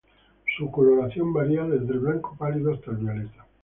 Su coloración varía desde el blanco pálido hasta el violeta.